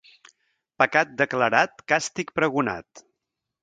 Pecat declarat, càstig pregonat.